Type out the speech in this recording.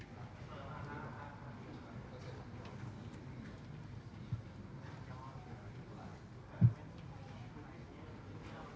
ข้างหลังยังไม่ได้ข้างข้างไม่ได้